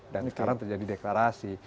dan sekarang terjadi deklarasi